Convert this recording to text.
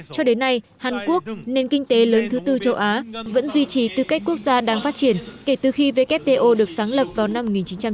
cho đến nay hàn quốc nền kinh tế lớn thứ tư châu á vẫn duy trì tư cách quốc gia đang phát triển kể từ khi wto được sáng lập vào năm một nghìn chín trăm chín mươi